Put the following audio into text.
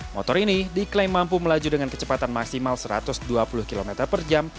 motor ini diklaim mampu melaju dengan kecepatan maksimal satu ratus dua puluh km per jam